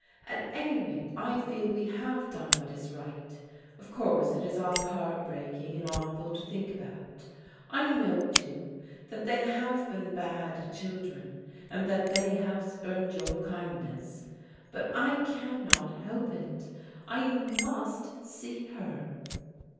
"At any rate, I feel we have done what is right. Of course it is all heart breaking and awful to think about. I know, too, that they have been bad children, and that they have spumed your kindness, but I cannot help it. I mtist see her